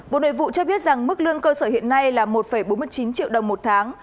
bộ nội vụ cho biết rằng mức lương cơ sở hiện nay là một bốn mươi chín triệu đồng một tháng